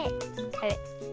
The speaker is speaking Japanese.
あれ？